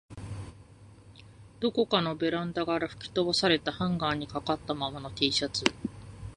どこかのベランダから吹き飛ばされたハンガーに掛かったままの Ｔ シャツ